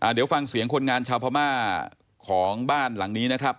เดี๋ยวฟังเสียงคนงานชาวพม่าของบ้านหลังนี้นะครับ